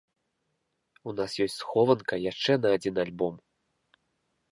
У нас ёсць схованка яшчэ на адзін альбом.